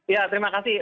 ya terima kasih